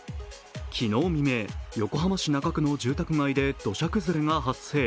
昨日未明、横浜市中区の住宅街で土砂崩れが発生。